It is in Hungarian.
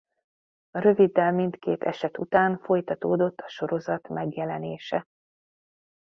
Röviddel mindkét eset után folytatódott a sorozat megjelenése.